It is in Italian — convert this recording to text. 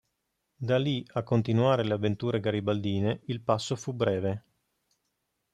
Da lì a continuare le avventure garibaldine il passo fu breve.